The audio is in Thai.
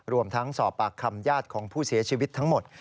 รวมทั้งสอบปากคำญาติของผู้เสียชีวิตทั้งหมด